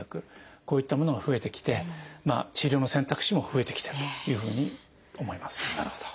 こういったものが増えてきて治療の選択肢も増えてきてるというふうに思います。